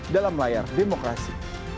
dalam layar demokrasi